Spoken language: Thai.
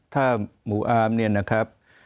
ถ้าหมู่อาร์มเนี่ยนะครับ